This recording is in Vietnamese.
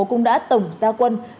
cũng đã tổng giao quân